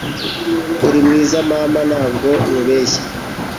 uri mwiza, mama, ntabwo nkubeshya